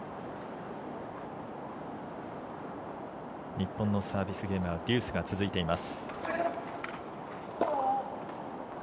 日本のサービスゲームはデュースが続いています。